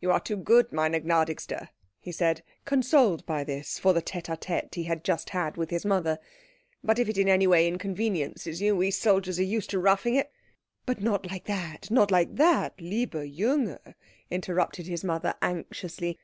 "You are too good, meine Gnädigste," he said, consoled by this for the tête à tête he had just had with his mother; "but if it in any way inconveniences you we soldiers are used to roughing it " "But not like that, not like that, lieber Junge," interrupted his mother anxiously.